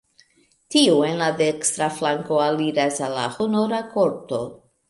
Tiu en la dekstra flanko aliras al la honora korto.